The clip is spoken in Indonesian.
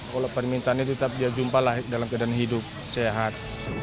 kalau permintaannya tetap dia jumpalah dalam keadaan hidup sehat